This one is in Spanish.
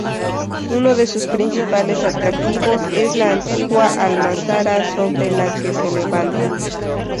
Uno de sus principales atractivos es la antigua almazara sobre la que se levanta.